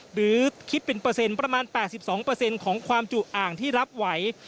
หรือคิดเป็นเปอร์เซ็นต์ประมาณ๘๒ของความจุอ่างที่รับไหว